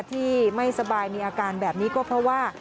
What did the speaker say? ที่ไม่สบายมีอาการแบบนี้ก็เพราะว่า